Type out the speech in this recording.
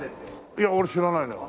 いや俺知らないのよ。